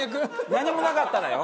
何もなかったらよ。